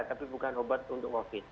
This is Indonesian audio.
tapi bukan obat untuk covid